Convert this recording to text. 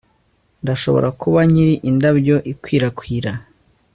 Ndashobora kuba nkiri indabyo ikwirakwira